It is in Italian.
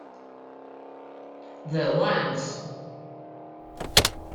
The Ones